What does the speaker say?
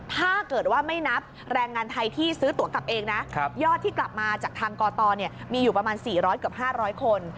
ถ้าเกิดว่าไม่นับแรงงานไทยที่ซื้อตัวกลับเองนะยอดที่กลับมาจากทางกตมีอยู่ประมาณ๔๐๐เกือบ๕๐๐คน